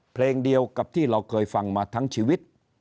เพลงเดียวกับที่เราเคยฟังมาทั้งชีวิต